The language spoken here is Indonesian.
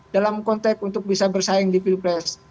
dalam konteks untuk bisa bersaing di pilpres